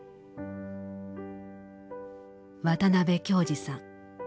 渡辺京二さん。